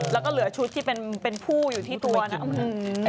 แล้วก็เหลือชุดที่เป็นผู้อยู่ที่ตัวนะ